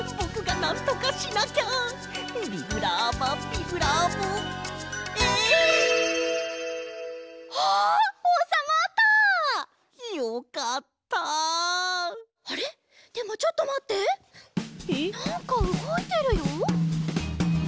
なんかうごいてるよ。